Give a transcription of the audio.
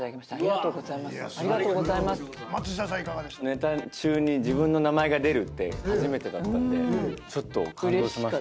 ネタ中に自分の名前が出るって初めてだったんでちょっと感動しました。